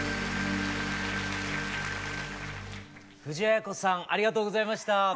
藤あや子さんありがとうございました。